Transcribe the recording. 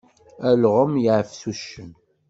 Alɣem yeɛfes uccen.